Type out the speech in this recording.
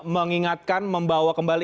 mengingatkan membawa kembali